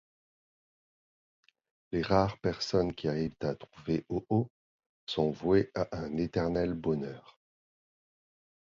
Les rares personnes qui arrivent à trouver Ho-Oh sont vouées à un éternel bonheur.